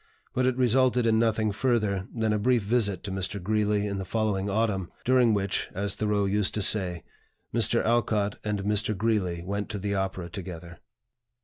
But it resulted in nothing further than a brief visit to Mr. Greeley in the following autumn, during which, as Thoreau used to say, Mr. Alcott and Mr. Greeley went to the opera together.